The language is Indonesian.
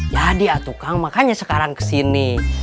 jadi atuh kang makanya sekarang kesini